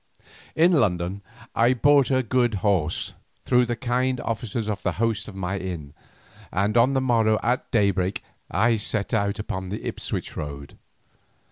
In London I bought a good horse, through the kind offices of the host of my inn, and on the morrow at daybreak I set out upon the Ipswich road.